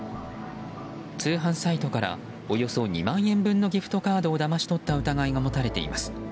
通販サイトからおよそ２万円分のギフトカードをだまし取った疑いが持たれています。